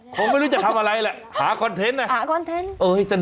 คงไม่รู้จะทำอะไรอ่ะหาคอนเทท